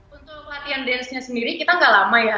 untuk latihan dancenya sendiri kita nggak lama ya